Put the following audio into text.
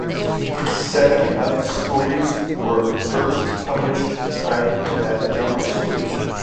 Seven of the stories were first published privately as Jungle Stories.